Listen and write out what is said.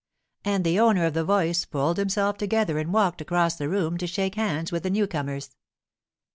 And the owner of the voice pulled himself together and walked across the room ta shake hands with the new comers.